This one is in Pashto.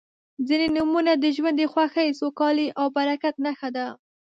•ځینې نومونه د ژوند د خوښۍ، سوکالۍ او برکت نښه ده.